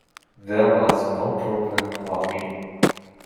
There was no problem for me.